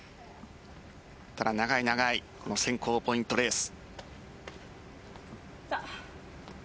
ただ長い長い選考ポイントレース。